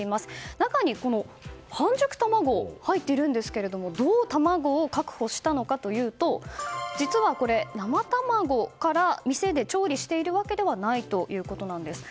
中に、半熟卵が入っているんですがどう卵を確保したのかというと実はこれ、生卵から店で調理しているわけではないということなんです。